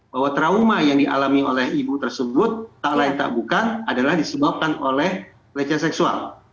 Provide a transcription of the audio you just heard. bahwa trauma yang dialami oleh ibu tersebut tak lain tak bukan adalah disebabkan oleh pelecehan seksual